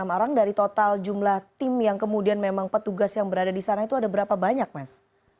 enam orang dari total jumlah tim yang kemudian memang petugas yang berada di sana itu ada berapa banyak mas